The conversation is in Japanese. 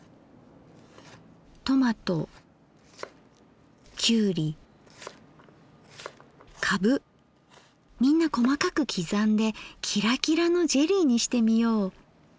トマトきゅうりカブみんな細かく刻んでキラキラのジェリーにしてみよう。